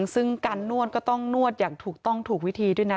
ซึ่งการนวดก็ต้องนวดอย่างถูกต้องถูกวิธีด้วยนะ